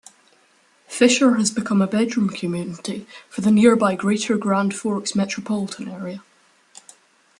Fisher has become a bedroom community for the nearby Greater Grand Forks Metropolitan Area.